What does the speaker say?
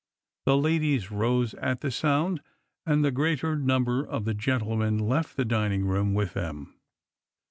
The ladies rose at the soiinc^ and the greater number of the gentlemen left the dining room with them.